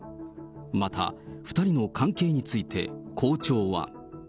また、２人の関係について、校長は。